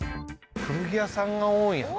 古着屋さんが多い。